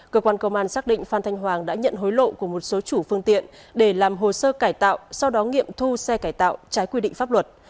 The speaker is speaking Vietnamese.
cơ quan công an xác định phan thanh hoàng đã nhận hối lộ của một số chủ phương tiện để làm hồ sơ cải tạo sau đó nghiệm thu xe cải tạo trái quy định pháp luật